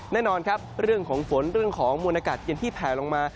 แน่นอนครับเรื่องของฝนเรื่องของมวลอากาศเย็นที่แผลลงมา